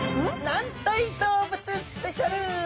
軟体動物スペシャル！